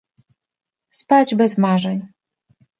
"spać bez marzeń!"